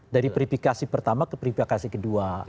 dari verifikasi pertama ke verifikasi kedua